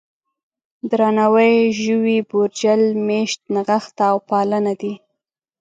درناوی، ژوي، بورجل، مېشت، نغښته او پالنه دي.